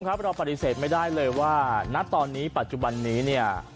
เราปฏิเสธไม่ได้เลยว่าณตอนนี้ปัจจุบันนี้เนี่ย